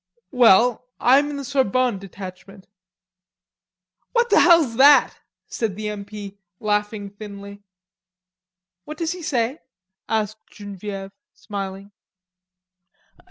"Well I'm in the Sorbonne Detachment." "What the hell's that?" said the M. P., laughing thinly. "What does he say?" asked Genevieve, smiling.